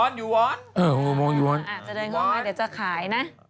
อาจจะเดินเข้ามาเดี๋ยวจะขายนะ